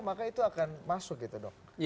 maka itu akan masuk gitu dok